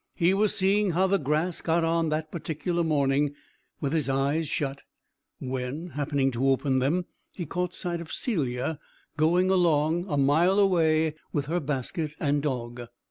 He was seeing how the grass got on that particular morning with his eyes shut, when, happening to open them, he caught sight of Celia going along, a mile away, with her basket and dog.